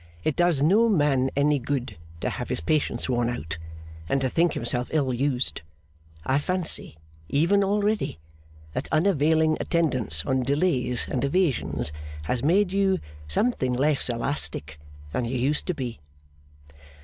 It does no man any good to have his patience worn out, and to think himself ill used. I fancy, even already, that unavailing attendance on delays and evasions has made you something less elastic than you used to be.